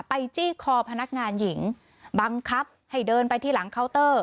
จี้คอพนักงานหญิงบังคับให้เดินไปที่หลังเคาน์เตอร์